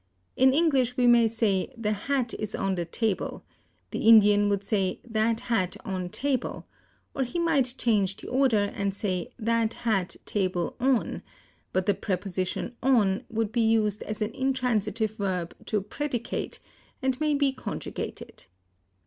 In English we may say the hat is on the table; the Indian would say that hat on table; or he might change the order, and say that hat table on; but the preposition on would be used as an intransitive verb to predicate, and may be conjugated.